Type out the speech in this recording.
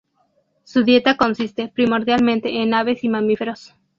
Su dieta consiste, primordialmente, en aves y mamíferos.